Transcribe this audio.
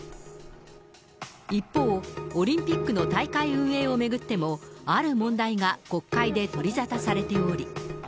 一方、オリンピックの大会運営を巡っても、ある問題が国会で取り沙汰されており。